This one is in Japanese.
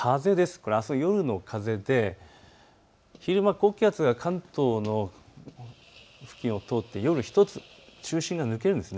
これはあす夜の風で昼間、高気圧が関東の付近を通って夜、１つ、中心が抜けるんです。